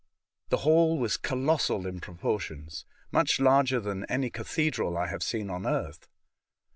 The hall was colossal in proportions — much larger than any cathedral I have seen on earth.